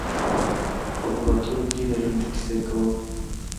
په خبرو اترو کې د لنډې کیسې کول.